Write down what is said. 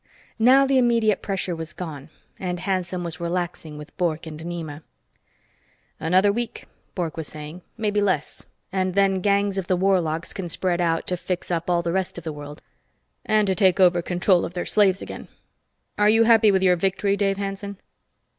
Now the immediate pressure was gone, and Hanson was relaxing with Bork and Nema. "Another week," Bork was saying. "Maybe less. And then gangs of the warlocks can spread out to fix up all the rest of the world and to take over control of their slaves again. Are you happy with your victory, Dave Hanson?"